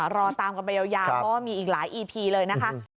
รอตามกันไปยาวก็มีอีกหลายอีพีเลยนะคะ